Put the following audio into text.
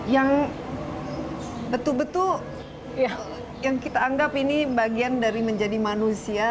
yang betul betul ya yang kita anggap ini bagian dari menjadi manusia